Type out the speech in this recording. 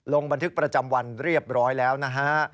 ลงบันทึกประจำวันเรียบร้อยแล้วนะฮะ